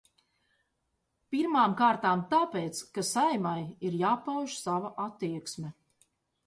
Pirmām kārtām tāpēc, ka Saeimai ir jāpauž sava attieksme.